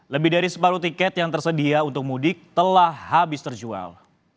lebih dari separuh tiket yang tersedia untuk mudik telah habis terjual